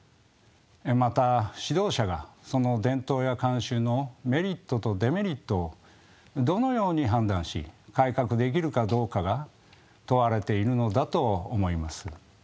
また指導者がその伝統や慣習のメリットとデメリットをどのように判断し改革できるかどうかが問われているのだと思います。